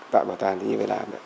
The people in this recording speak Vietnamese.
tại bảo tàng thiên nhiên việt nam